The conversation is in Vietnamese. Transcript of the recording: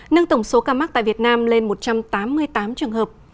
nâng tổng số ca mắc tại việt nam lên một trăm tám mươi tám trường hợp